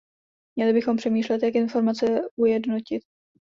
Měli bychom přemýšlet, jak informace ujednotit.